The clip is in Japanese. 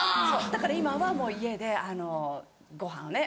だから今はもう家でご飯をね